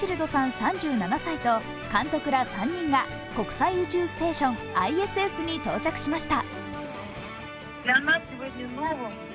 ３７歳と監督ら３人が国際宇宙ステーション＝ＩＳＳに到着しました。